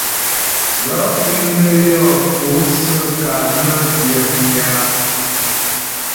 Gaə̂ fíŋ nə́ yɔ́ pótsə́ ka nə́ byə̌pnyə́ a ?